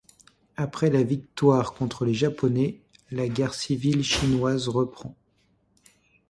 Après la victoire contre les Japonais, la guerre civile chinoise reprend.